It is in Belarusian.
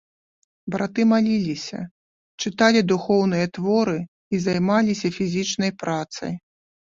Браты маліліся, чыталі духоўныя творы і займаліся фізічнай працай.